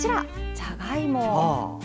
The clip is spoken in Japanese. じゃがいも。